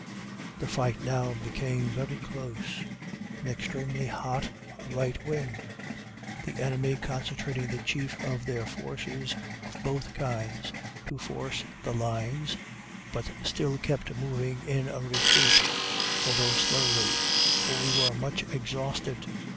The fight now became very close, and extremely hot on the right wing the enemy concentrating the chief of their forces of both kinds to force the lines, but still kept moving in a retreat, although slowly, for we were much exhausted.